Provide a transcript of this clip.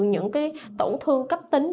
những tổn thương cấp tính